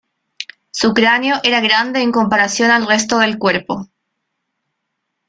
Su cráneo era grande en comparación al resto del cuerpo.